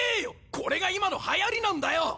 これが今の流行りなんだよ！